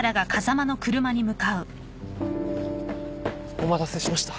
お待たせしました。